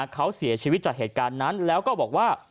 เขาเสียชีวิตจากเหตุการณ์นั้นแล้วก็บอกว่า